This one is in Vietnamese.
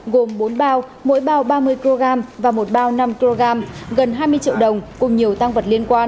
gồm bốn bao mỗi bao ba mươi kg và một bao năm kg gần hai mươi triệu đồng cùng nhiều tăng vật liên quan